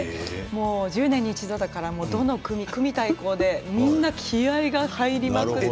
１０年に一度だから組対抗でみんな気合いが入りまくりで。